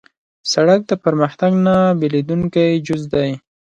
سړک د پرمختګ نه بېلېدونکی جز دی.